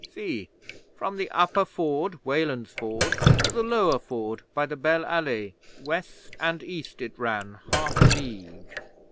See! From the Upper Ford, Weland's Ford, to the Lower Ford, by the Belle Allée, west and east it ran half a league.